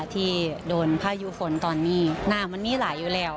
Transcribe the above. ที่โดนพายุฝนตอนนี้หน้ามันมีหลายอยู่แล้ว